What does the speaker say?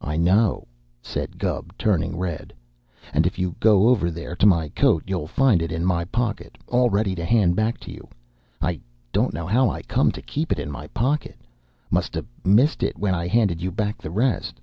"I know," said Gubb, turning red. "And if you go over there to my coat, you'll find it in my pocket, all ready to hand back to you. I don't know how I come to keep it in my pocket. Must ha' missed it, when I handed you back the rest."